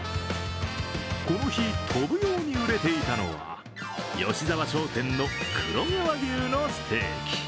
この日、飛ぶように売れていたのは吉澤商店の黒毛和牛のステーキ。